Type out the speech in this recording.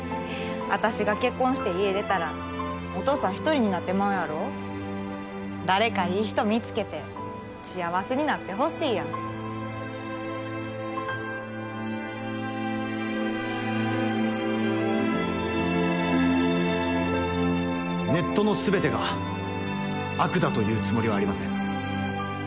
私が結婚して家出たらお父さん１人になってまうやろ誰かいい人見つけて幸せになってネットの全てが悪だと言うつもりはありません。